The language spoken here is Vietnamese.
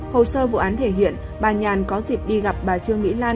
hồ sơ vụ án thể hiện bà nhàn có dịp đi gặp bà trương mỹ lan